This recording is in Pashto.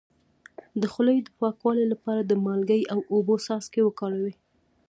د خولې د پاکوالي لپاره د مالګې او اوبو څاڅکي وکاروئ